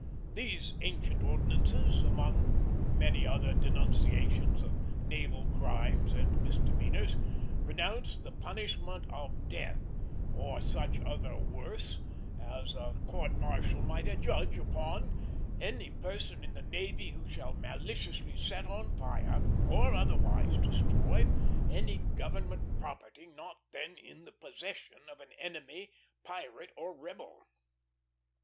These ancient ordinances, among many other denunciations of naval crimes and misdemeanors, pronounced the punishment of death, or "such other worse" as a court martial might adjudge, upon "any person in the Navy who shall maliciously set on fire, or otherwise destroy, any government property not then in the possession of an enemy, pirate, or rebel."